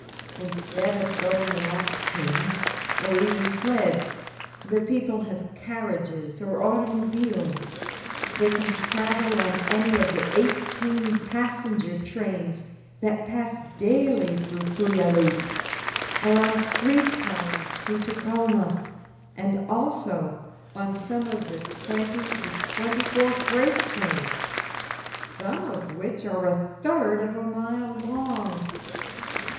Instead of going in ox teams, or even sleds, the people have carriages or automobiles; they can travel on any of the eighteen passenger trains that pass daily through Puyallup, or on street cars to Tacoma, and also on some of the twenty to twenty four freight trains, some of which are a third of a mile long.